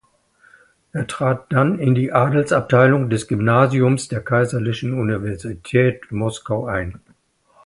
Er trat dann in die Adelsabteilung des Gymnasiums der Kaiserlichen Universität Moskau ein.